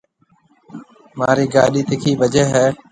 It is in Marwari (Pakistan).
مهارِي گاڏِي تکِي ڀجي هيَ۔